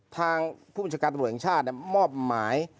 ทางผู้บัญชาการตำรวจแห่งชาติมอบหมาย